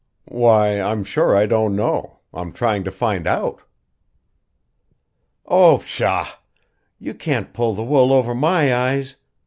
"Why, I'm sure I don't know. I'm trying to find out." "Oh, pshaw! You can't pull the wool over my eyes!